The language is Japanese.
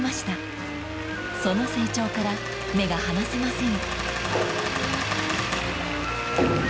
［その成長から目が離せません］